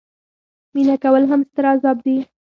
مینه کول هم ستر عذاب دي.